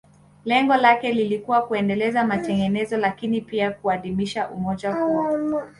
Lengo lake lilikuwa kuendeleza matengenezo, lakini pia kudumisha umoja huo.